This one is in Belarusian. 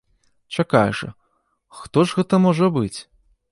Чакай жа, хто ж гэта можа быць?!